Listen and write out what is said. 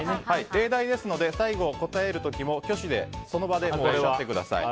例題ですので最後、答える時も挙手でその場でおっしゃってください。